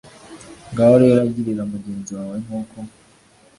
ngaho rero girira mugenzi wawe nkuko